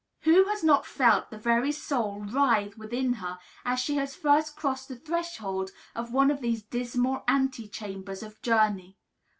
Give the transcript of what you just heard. Who has not felt the very soul writhe within her as she has first crossed the threshold of one of these dismal antechambers of journey?